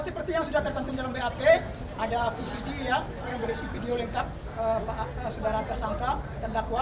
seperti yang sudah tertentu dalam bap ada vcd yang berisi video lengkap saudara tersangka terdakwa